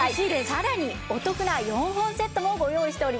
さらにお得な４本セットもご用意しております。